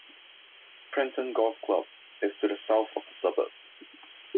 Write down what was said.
Prenton Golf Club is to the south of the suburb.